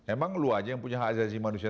emang lo aja yang punya hak asasi manusia